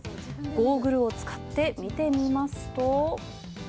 ゴーグルを使って見てみますと。